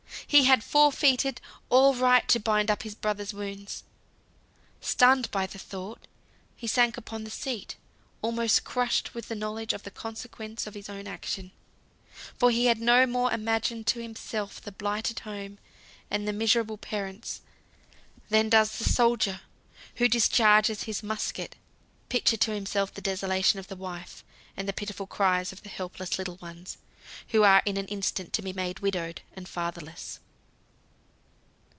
He had forfeited all right to bind up his brother's wounds. Stunned by the thought, he sank upon the seat, almost crushed with the knowledge of the consequences of his own action; for he had no more imagined to himself the blighted home, and the miserable parents, than does the soldier, who discharges his musket, picture to himself the desolation of the wife, and the pitiful cries of the helpless little ones, who are in an instant to be made widowed and fatherless.